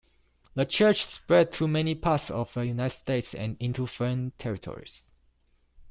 The church spread to many parts of the United States and into foreign territories.